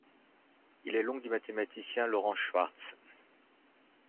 Il est l'oncle du mathématicien Laurent Schwartz.